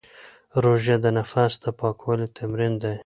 روژه د نفس د پاکوالي تمرین دی.